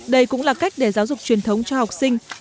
đây cũng là cách để giáo dục truyền thống cho học sinh